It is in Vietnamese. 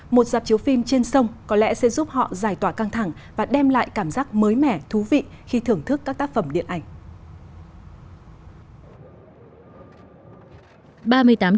một dạp chiếu phim trên sông có lẽ sẽ giúp họ giải tỏa căng thẳng và đem lại cảm giác mới mẻ thú vị khi thưởng thức các tác phẩm điện ảnh